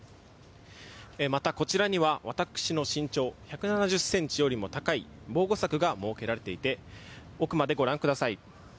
また、こちらには私の身長１７０ｃｍよりも高い防護柵が設けられていて奥までご覧ください。